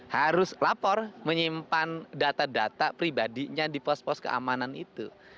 harus lapor menyimpan data data pribadinya di pos pos keamanan itu